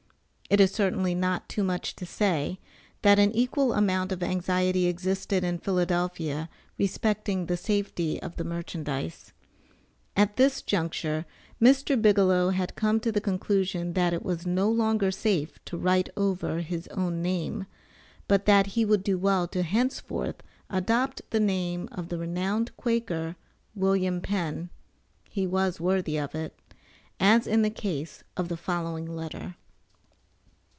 It is certainly not too much to say, that an equal amount of anxiety existed in Philadelphia respecting the safety of the merchandise. At this juncture Mr. Bigelow had come to the conclusion that it was no longer safe to write over his own name, but that he would do well to henceforth adopt the name of the renowned Quaker, Wm. Penn, (he was worthy of it) as in the case of the following letter.